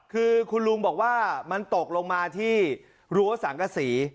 คือคุณลุงบอกว่ามันตกลงมาที่รั้วสังกษี